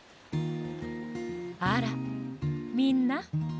あらみんな。